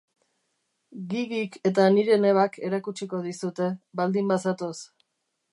Gigik eta nire nebak erakutsiko dizute, baldin bazatoz.